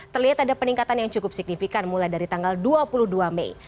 terlihat ada peningkatan yang cukup signifikan mulai dari tanggal dua puluh dua mei